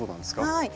はい。